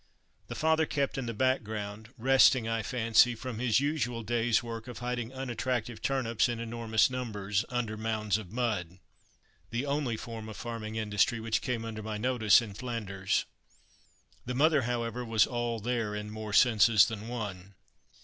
The father kept in the background, resting, I fancy, from his usual day's work of hiding unattractive turnips in enormous numbers, under mounds of mud (the only form of farming industry which came under my notice in Flanders). The mother, however, was "all there," in more senses than one.